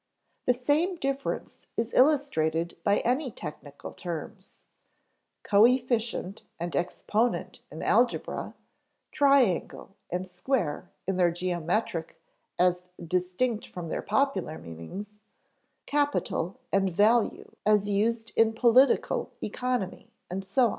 The same difference is illustrated by any technical terms: coefficient and exponent in algebra, triangle and square in their geometric as distinct from their popular meanings; capital and value as used in political economy, and so on.